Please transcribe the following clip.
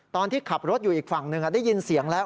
ตอนที่ขับรถอยู่อีกฝั่งหนึ่งได้ยินเสียงแล้ว